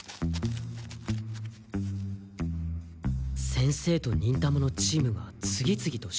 先生と忍たまのチームが次々と出発していく。